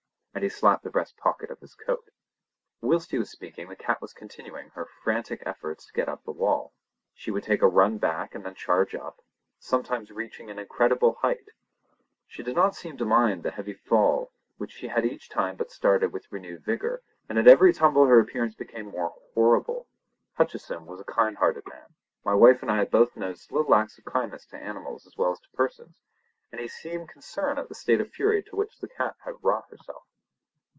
and he slapped the breast pocket of his coat. Whilst he was speaking the cat was continuing her frantic efforts to get up the wall. She would take a run back and then charge up, sometimes reaching an incredible height. She did not seem to mind the heavy fall which she got each time but started with renewed vigour; and at every tumble her appearance became more horrible. Hutcheson was a kind hearted man—my wife and I had both noticed little acts of kindness to animals as well as to persons—and he seemed concerned at the state of fury to which the cat had wrought herself.